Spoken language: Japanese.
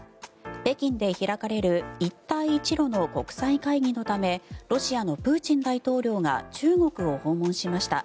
北京で開かれる一帯一路の国際会議のためロシアのプーチン大統領が中国を訪問しました。